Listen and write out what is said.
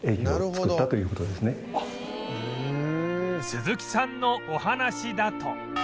鈴木さんのお話だと